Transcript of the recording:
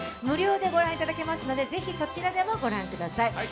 無料で御覧いただけますのでぜひそちらでも御覧ください。